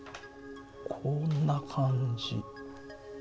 こんな感じ。